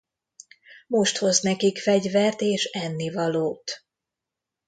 Most hoz nekik fegyvert és ennivalót.